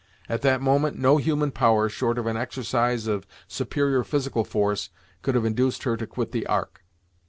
At that moment no human power, short of an exercise of superior physical force, could have induced her to quit the Ark.